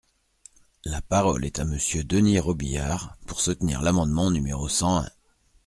La parole est à Monsieur Denys Robiliard, pour soutenir l’amendement numéro cent un.